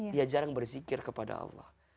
dia jarang berzikir kepada allah